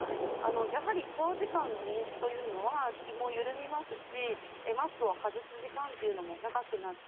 やはり長時間の飲酒は気も緩みますしマスクを外す時間も長くなって